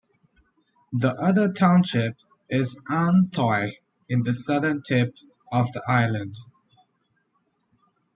The other township is An Thoi in the southern tip of the island.